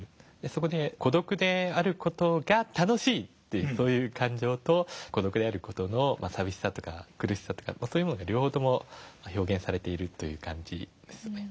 そこで孤独である事が楽しいという感情と孤独である事の寂しさとか苦しさとかそういうものが両方とも表現されているという感じですね。